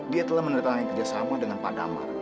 dia telah mendatangkan kerjasama dengan pak damar